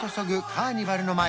カーニバルの街